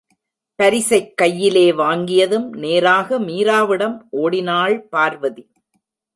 பரிசைக் கையிலே வாங்கியதும் நேராக மீராவிடம் ஒடினாள் பார்வதி.